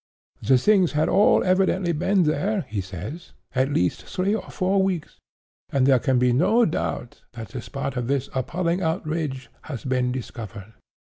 'The things had all evidently been there,' he says, 'at least, three or four weeks, and there can be no doubt that the spot of this appalling outrage has been discovered.